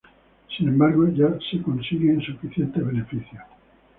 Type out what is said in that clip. Sin embargo, ya se consiguen suficientes beneficios.